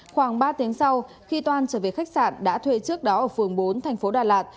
khoảng ba tiếng sau khi toan trở về khách sạn đã thuê trước đó ở phường bốn thành phố đà lạt